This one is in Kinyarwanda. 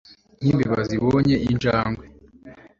nkimbeba zibonye injangwe